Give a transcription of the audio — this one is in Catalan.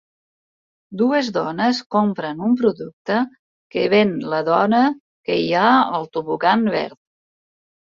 Dues dones compren un producte que ven la dona que hi ha al tobogan verd.